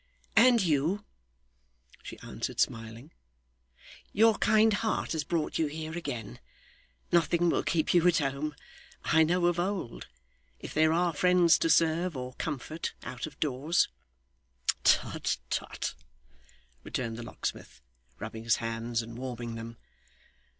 'And you,' she answered smiling. 'Your kind heart has brought you here again. Nothing will keep you at home, I know of old, if there are friends to serve or comfort, out of doors.' 'Tut, tut,' returned the locksmith, rubbing his hands and warming them.